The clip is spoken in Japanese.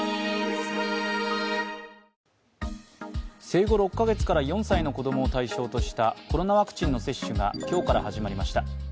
生後６か月から４歳の子供を対象としたコロナワクチンの接種が今日から始まりました。